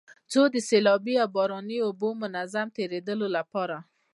څو د سيلابي او باراني اوبو د منظم تېرېدو لپاره